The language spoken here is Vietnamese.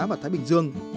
và thái bình dương